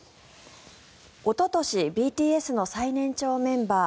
おととしＢＴＳの最年長メンバー